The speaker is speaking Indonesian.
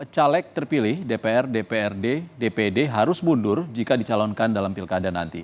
caleg terpilih dpr dprd dpd harus mundur jika dicalonkan dalam pilkada nanti